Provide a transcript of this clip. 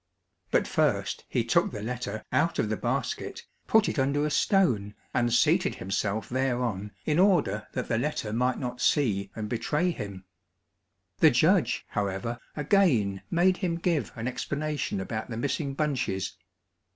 But first he took the letter out of the basket, put it under a stone and seated himself thereon in order that the letter might not see and betray him. The judge, however, again made him give an explanation about the missing bunches.